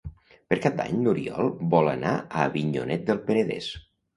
Per Cap d'Any n'Oriol vol anar a Avinyonet del Penedès.